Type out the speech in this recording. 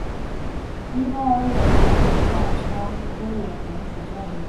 尼泊尔野桐为大戟科野桐属下的一个种。